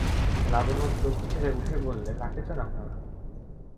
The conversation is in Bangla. লাবণ্য চৌকি ছেড়ে উঠে বললে কাকে চান আপনারা।